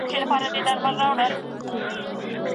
موږ به اقتصادي وده چټکه کړو.